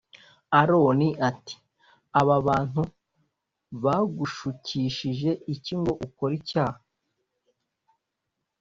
Aroni ati aba bantu bagushukishije iki ngo ukore icyaha